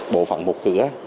bộ phận một cửa